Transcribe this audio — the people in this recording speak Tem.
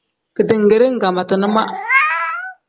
Ketengere nkangmatina ma.